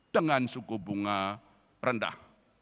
dengan suku bunga rendah